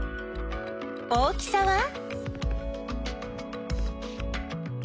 大きさは？